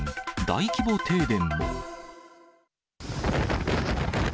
大規模停電も。